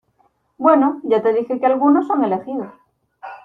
bueno, ya te dije que algunos son elegidos